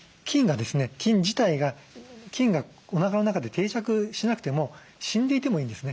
菌自体がおなかの中で定着しなくても死んでいてもいいんですね。